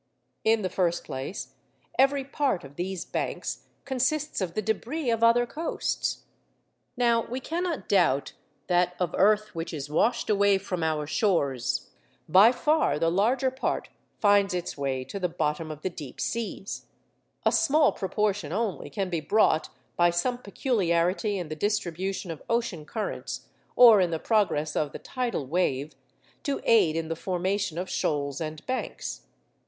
In the first place, every part of these banks consists of the debris of other coasts. Now we cannot doubt that of earth which is washed away from our shores, by far the larger part finds its way to the bottom of the deep seas; a small proportion only can be brought (by some peculiarity in the distribution of ocean currents, or in the progress of the tidal wave) to aid in the formation of shoals and banks.